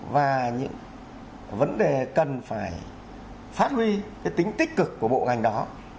và những vấn đề cần phải phát huy tính tích cực của bộ ngành đó